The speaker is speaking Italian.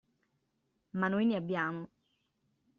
Ma noi ne abbiamo.